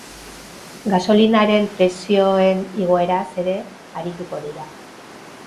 Gasolinaren prezioen igoeraz ere arituko dira.